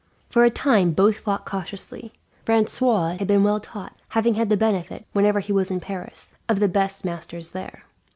For a time both fought cautiously. Francois had been well taught, having had the benefit, whenever he was in Paris, of the best masters there.